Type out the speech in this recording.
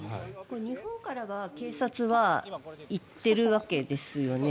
日本からは警察は行っているわけですよね？